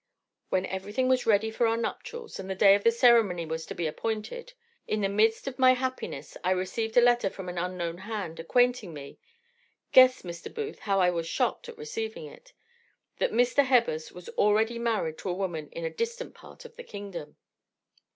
"When everything was ready for our nuptials, and the day of the ceremony was to be appointed, in the midst of my happiness I received a letter from an unknown hand, acquainting me (guess, Mr. Booth, how I was shocked at receiving it) that Mr. Hebbers was already married to a woman in a distant part of the kingdom.